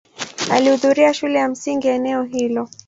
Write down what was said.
Alihudhuria shule ya msingi eneo hilo.